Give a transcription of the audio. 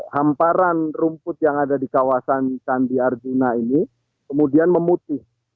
hamparan rumput yang ada di kawasan candi arjuna ini kemudian memutih